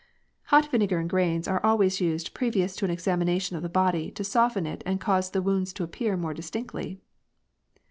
Hot vinegar and grains are always used previous to an examination of the body to soften it and cause the wounds to appear more distinctly.